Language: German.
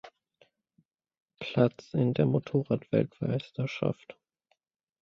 Platz in der Motorrad-Weltmeisterschaft.